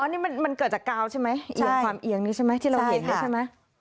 นี่มันเกิดจากกาวใช่ไหมเอียงความเอียงนี่ใช่ไหมที่เราเห็นใช่ไหม